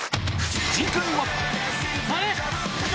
次回は！